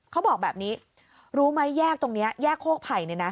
เขาบอกแบบนี้รู้ไหมแยกตรงนี้แยกโคกไผ่